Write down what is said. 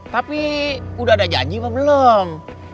tapi udah ada janji apa belum